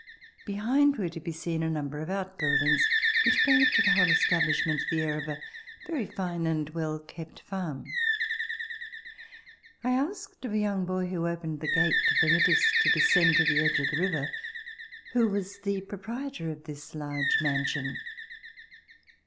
Behind, were to be seen a number of out [ 193 ] RECOLLECTIONS OF THE REVOLUTION buildings which gave to the whole establishment the air of a very fine and well kept farm. I asked of a young boy, who opened the gate to permit us to descend to the edge of the river, who was the proprie tor of this large mansion.